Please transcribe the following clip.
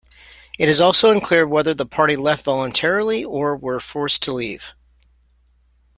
It is also unclear whether the party left voluntarily or were forced to leave.